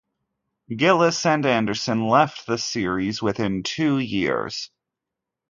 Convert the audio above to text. Gillis and Anderson left the series within two years.